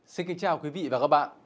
xin kính chào quý vị và các bạn